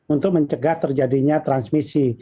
untuk mencegah terjadinya transmisi